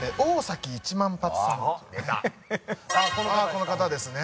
この方ですね。